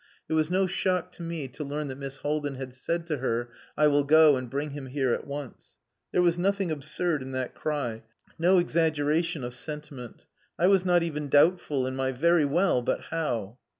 It was no shock to me to learn that Miss Haldin had said to her, "I will go and bring him here at once." There was nothing absurd in that cry, no exaggeration of sentiment. I was not even doubtful in my "Very well, but how?"